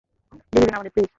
যেতে দিন আমাদের, প্লিজ!